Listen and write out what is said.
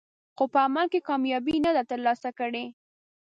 خو په عمل کې کامیابي نه ده ترلاسه کړې.